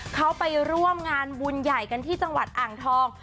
เขาไปร่วมงานบุญใหญ่กันที่จังหวัดอ่างทอง